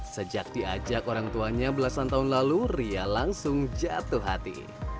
sejak diajak orang tuanya belasan tahun lalu ria langsung jatuh hati